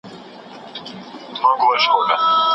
محتسب وړی قلم له نجونو